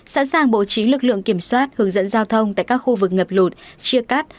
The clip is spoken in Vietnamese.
sẵn sàng bố trí lực lượng kiểm soát hướng dẫn giao thông tại các khu vực ngập lụt chia cắt